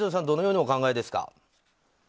どのようにお考えですか。